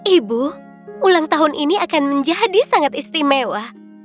ibu ulang tahun ini akan menjadi sangat istimewa